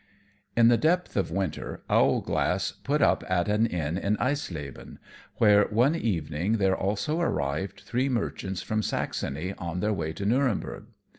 _ In the depth of winter Owlglass put up at an inn at Eisleben, where one evening there also arrived three merchants from Saxony on their way to Nurenberg.